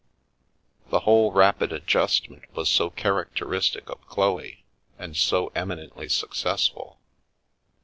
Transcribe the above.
The whole rapid adjustment was so characteristic of Chloe and so em inently successful.